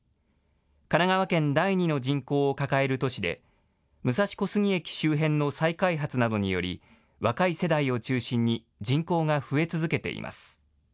神奈川県第２の人口を抱える都市で、武蔵小杉駅周辺の再開発などにより、若い世代を中心に、人口が増え続けています。